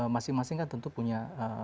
masing masing kan tentu punya